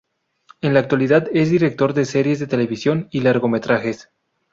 En la actualidad es director de series de televisión y largometrajes.